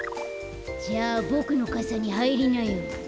じゃあボクのかさにはいりなよ。